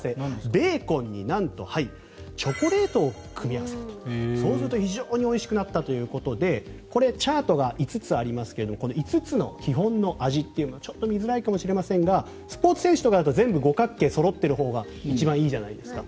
ベーコンになんとチョコレートを組み合わせると非常においしくなったということでこれ、チャートが５つありますけどこの５つの基本の味というのがちょっと見づらいかもしれませんがスポーツ選手とかだと五角形そろっているほうが一番いいじゃないですか。